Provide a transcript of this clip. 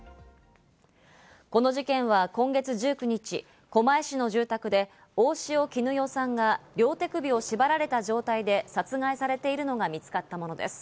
この事件は今月１９日、狛江市の住宅で大塩衣与さんが両手首を縛られた状態で殺害されているのが見つかったものです。